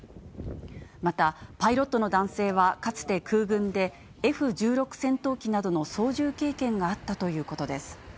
また、パイロットの男性は、かつて空軍で、Ｆ１６戦闘機などの操縦経験があったということです。